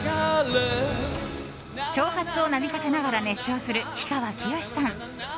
長髪をなびかせながら熱唱する氷川きよしさん。